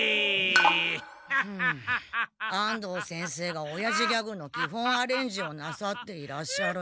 安藤先生がおやじギャグの基本アレンジをなさっていらっしゃる。